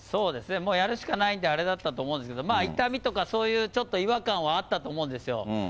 もうやるしかないんで、あれだったと思いますけれども、痛みとか、そういうちょっと違和感はあったと思うんですよ。